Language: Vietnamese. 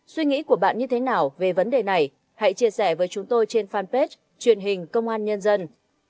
suy nghĩ của bạn như thế nào về vấn đề này hãy chia sẻ với chúng tôi trên fanpage truyền hình công an nhân dân